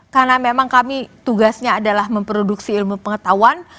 karena memang kami tugasnya adalah memproduksi ilmu pengetahuan